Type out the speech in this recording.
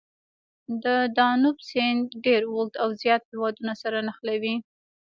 د دانوب سیند ډېر اوږد او زیات هېوادونه سره نښلوي.